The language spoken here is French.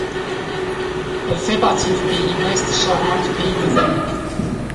Elle fait partie du Pays Ouest-Charente Pays du cognac.